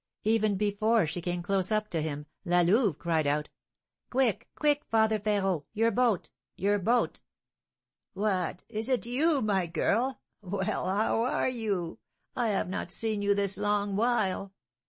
Even before she came close up to him, La Louve cried out: "Quick, quick, Father Férot! Your boat! Your boat!" "What! Is it you, my girl? Well, how are you? I have not seen you this long while."